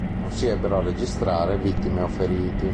Non si ebbero a registrare vittime o feriti.